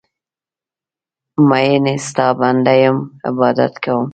میینې ستا بنده یم عبادت کوم